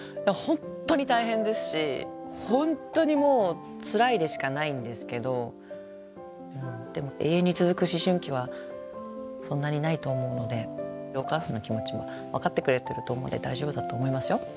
本当に大変ですし本当にもうつらいでしかないんですけどでも永遠に続く思春期はそんなにないと思うのでお母さんの気持ちも分かってくれてると思うんで大丈夫だと思いますよ。